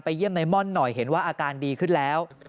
เยี่ยมในม่อนหน่อยเห็นว่าอาการดีขึ้นแล้ว